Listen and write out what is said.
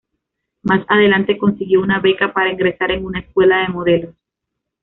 Más adelante consiguió una beca para ingresar en una escuela de modelos.